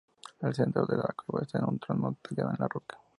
En el centro de la cueva esta un trono tallado en la roca.